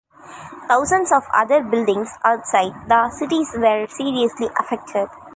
Thousands of other buildings outside the cities were seriously affected.